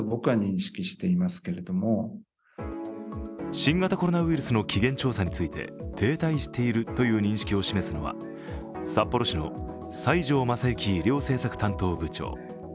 新型コロナウイルスの起源調査について停滞しているという認識を示すのは札幌市の西條政幸医療政策担当部長。